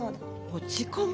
落ち込む？